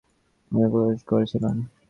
পালানো প্রাণীগুলোর খোঁজ করছিলাম।